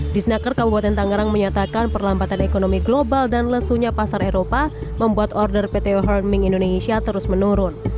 di senaker kabupaten tangerang menyatakan perlambatan ekonomi global dan lesunya pasar eropa membuat order pt herming indonesia terus menurun